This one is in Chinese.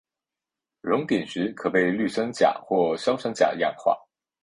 熔点时可被氯酸钾或硝酸钾氧化。